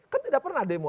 kan tidak pernah demo